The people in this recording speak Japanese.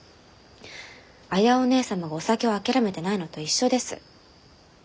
綾お義姉様がお酒を諦めてないのと一緒です。